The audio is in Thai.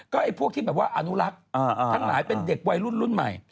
ไอ้พวกที่แบบว่าอนุรักษ์ทั้งหลายเป็นเด็กวัยรุ่นรุ่นใหม่